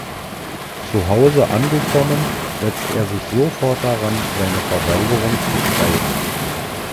Zu Hause angekommen, setzt er sich sofort daran, seine Verweigerung zu schreiben.